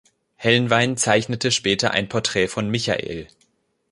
Helnwein zeichnete später ein Porträt von Michael.